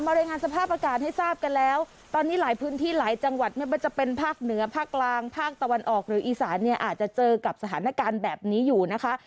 รายงานสภาพอากาศให้ทราบกันแล้วตอนนี้หลายพื้นที่หลายจังหวัดไม่ว่าจะเป็นภาคเหนือภาคกลางภาคตะวันออกหรืออีสานเนี่ยอาจจะเจอกับสถานการณ์แบบนี้อยู่นะคะ